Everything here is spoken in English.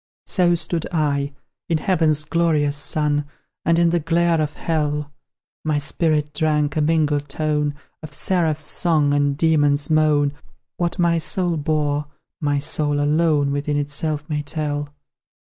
So stood I, in Heaven's glorious sun, And in the glare of Hell; My spirit drank a mingled tone, Of seraph's song, and demon's moan; What my soul bore, my soul alone Within itself may tell!